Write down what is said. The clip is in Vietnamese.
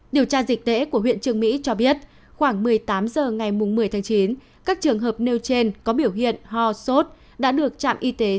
điều tra dịch tễ của huyện trường mỹ cho biết khoảng một mươi tám h ngày một mươi chín các trường hợp nêu trên có biểu hiện ho sốt